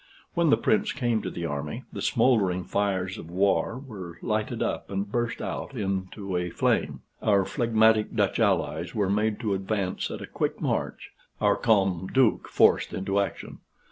When the Prince came to the army, the smouldering fires of war were lighted up and burst out into a flame. Our phlegmatic Dutch allies were made to advance at a quick march our calm Duke forced into action.